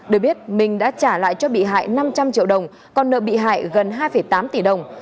để biết minh đã trả lại cho bị hại năm trăm linh triệu đồng còn nợ bị hại gần hai tám tỷ đồng